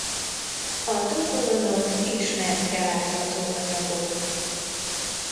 A tropolonok ismert keláthatóanyagok.